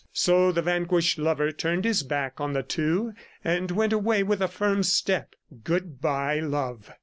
So the vanquished lover turned his back on the two and went away with a firm step. Good bye, Love!